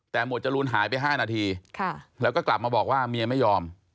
แต่หวดจรูนหายไป๕นาทีแล้วก็กลับมาบอกว่าเมียไม่ยอม